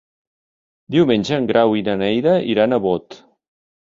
Diumenge en Grau i na Neida iran a Bot.